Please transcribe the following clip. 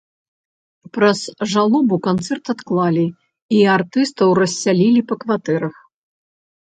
Праз жалобу канцэрт адклалі, і артыстаў рассялілі па кватэрах.